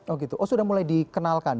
oh gitu oh sudah mulai dikenalkan